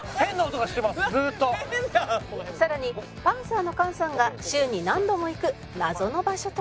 さらにパンサーの菅さんが週に何度も行く謎の場所とは？